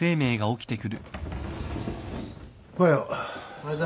おはよう。